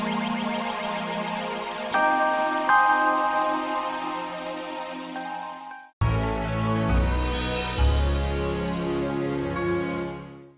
kita tidak punya gelo